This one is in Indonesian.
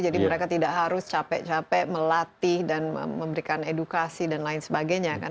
jadi mereka tidak harus capek capek melatih dan memberikan edukasi dan lain sebagainya kan